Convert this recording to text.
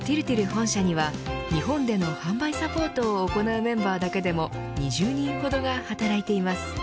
本社には日本での販売サポートを行うメンバーだけでも２０人ほどが働いています。